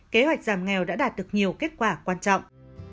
kế hoạch giảm nghèo đã đạt được nhiều kết quả quan trọng